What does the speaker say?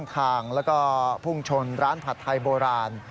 ทางแล้วก็พุ่งชนร้านผัดไทยโบราณ